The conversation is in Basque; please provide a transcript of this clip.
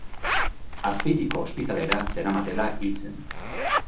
Azpeitiko ospitalera zeramatela hil zen.